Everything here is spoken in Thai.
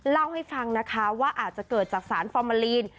เล่าให้ฟังนะคะว่าอาจจะเกิดจากสารฟอร์มาลีน